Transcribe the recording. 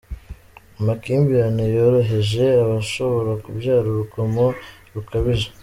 Amakimbirane yoroheje ashobora kubyara urugomo rukabije.